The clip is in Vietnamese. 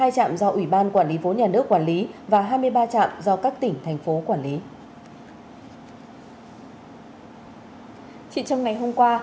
chỉ trong ngày hôm qua